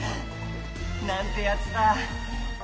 なんてやつだ。